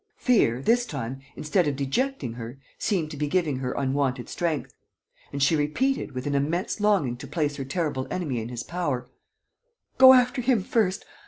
Fear, this time, instead of dejecting her, seemed to be giving her unwonted strength; and she repeated, with an immense longing to place her terrible enemy in his power: "Go after him first.